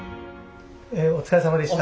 お疲れさまでした。